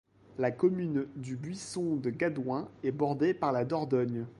La commune du Buisson-de-Cadouin est bordée par la Dordogne.